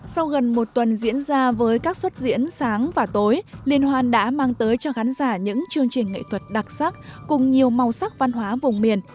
sau gần một tuần diễn ra với các xuất diễn sáng và tối liên hoan đã mang tới cho khán giả những chương trình nghệ thuật đặc sắc cùng nhiều màu sắc văn hóa vùng miền